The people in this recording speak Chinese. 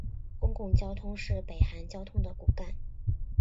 公共交通是北韩交通的骨干。